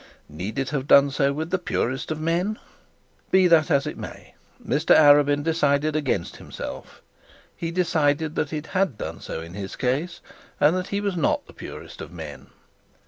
Need it have done so with the purest of men? Be that as it may, Mr Arabin decided against himself; he decided that it had done so in his case, and that he was not the purest of men.